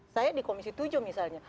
saya di komisi tujuh misalnya